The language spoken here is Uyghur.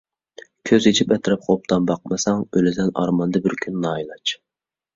كۆز ئېچىپ ئەتراپقا ئوبدان باقمىساڭ، ئۆلىسەن ئارماندا بىر كۈن نائىلاج.